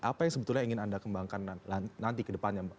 apa yang sebetulnya ingin anda kembangkan nanti ke depannya mbak